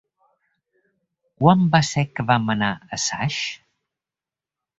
Quan va ser que vam anar a Saix?